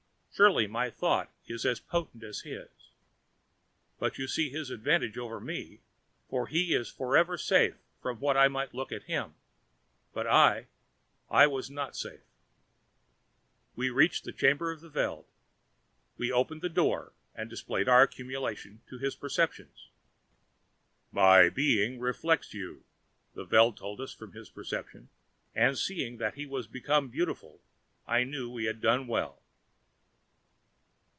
Surely my thought is as potent as his. But you see his advantage over me, for he was forever safe from what I might look at him, but I, I was not safe. We reached the chamber of the Veld. We opened the door and displayed our accumulation to his perceptions. "My being reflects you," the Veld told us from his perception, and seeing that he was become beautiful, I knew we had done well.